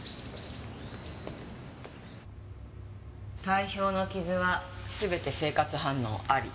体表の傷は全て生活反応あり。